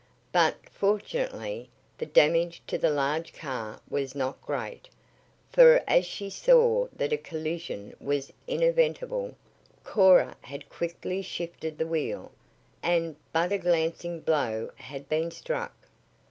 But, fortunately, the damage to the large car was not great, for as she saw that a collision was inevitable, Cora had quickly shifted the wheel, and but a glancing blow had been struck.